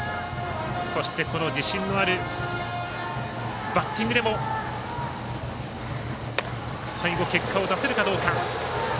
そして、この自信のあるバッティングでも最後、結果を出せるかどうか。